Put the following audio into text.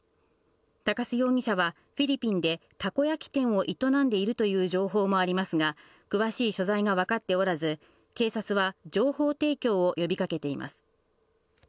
鷹巣容疑者は、フィリピンでたこ焼き店を営んでいるという情報もありますが、詳しい所在が分かっておらず、警察は情報提供を呼びかけています。